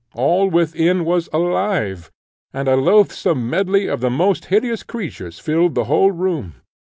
All within was alive, and a loathsome medley of the most hideous creatures filled the whole room.